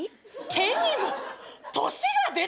手にも年が出てる？